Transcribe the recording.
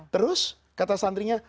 terus kata santrinya